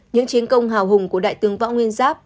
những chiến công hào hùng của đại tướng võ nguyên giáp